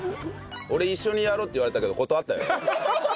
俺一緒にやろうって言われたけど断ったよ。